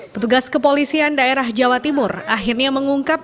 petugas kepolisian daerah jawa timur akhirnya mengungkap